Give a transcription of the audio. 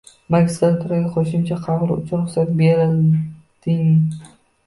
Magistraturaga qo‘shimcha qabul uchun ruxsat berilding